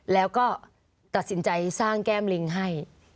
แล้วก็ตัดสินใจสร้างแก้มลิงให้